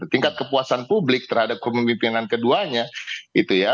tingkat kepuasan publik terhadap pemimpinan keduanya